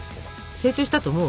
成長したと思う？